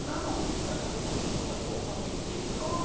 体動かすと脳からドーパミンっていう。